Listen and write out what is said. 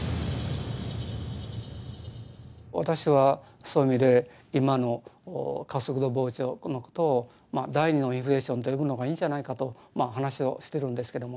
私はそういう意味で今の加速度膨張のことを第２のインフレーションと呼ぶのがいいんじゃないかと話をしてるんですけども。